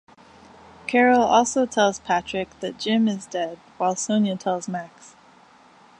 Carol also tells Patrick that Jim is dead, while Sonia tells Max.